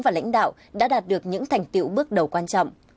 và lãnh đạo đã đạt được những thành tiệu bước đầu quan trọng